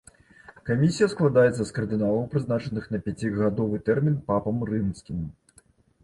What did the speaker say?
Камісія складаецца з кардыналаў, прызначаных на пяцігадовы тэрмін папам рымскім.